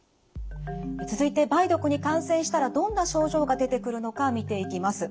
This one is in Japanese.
続いて梅毒に感染したらどんな症状が出てくるのか見ていきます。